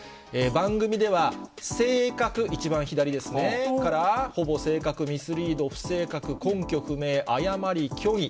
番組では正確、一番左ですね、から、ほぼ正確、ミスリード、不正確、根拠不明、誤り、虚偽。